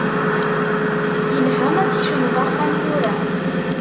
Yelha ma tkecmeḍ axxam tura.